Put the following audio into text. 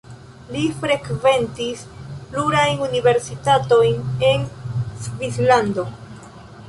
Li frekventis plurajn universitatojn en Svislando.